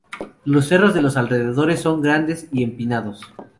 Los cerros de los alrededores son grandes y empinados.